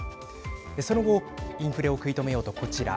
その後インフレを食い止めようと、こちら。